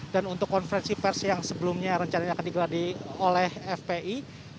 untuk konferensi pers yang sebelumnya rencananya akan digelar oleh fpi